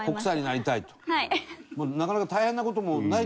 なかなか大変な事もないですか？